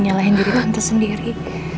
nyalahin diri tante sendiri